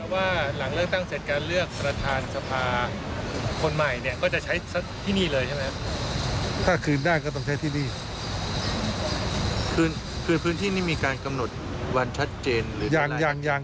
วันชัดเจนหรืออย่างไร